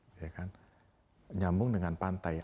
ya kan nyambung dengan pantai